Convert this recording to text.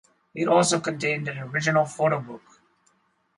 It also contained an original photobook.